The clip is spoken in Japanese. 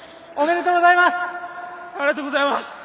おめでとうございます。